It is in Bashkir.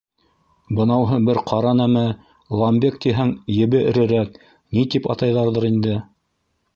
Бынауһы бер ҡара нәмә, ламбек тиһәң, ебе эрерәк, ни тип атайҙарҙыр инде.